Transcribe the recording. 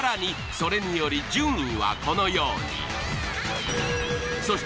それにより順位はこのように。